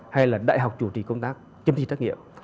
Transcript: hay là đại học chủ trì công tác chấm thi trắc nghiệm